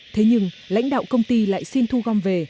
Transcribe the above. thế nhưng lãnh đạo công ty lại xin thu gom về